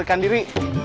tidak akan diri